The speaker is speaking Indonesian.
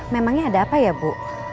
memangnya ada apa ya bu